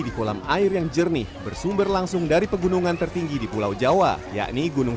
di kolam air yang jernih bersumber langsung dari pegunungan tertinggi di pulau jawa yakni gunung